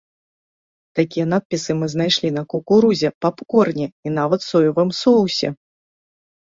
Такія надпісы мы знайшлі на кукурузе, папкорне і нават соевым соусе!